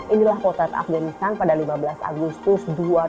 inilah potret afganistan pada lima belas agustus dua ribu dua puluh